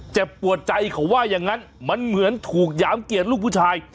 เจ็บปวดใจเขาว่าอย่างนั้นมันเหมือนถูกหยามเกียรติลูกผู้ชาย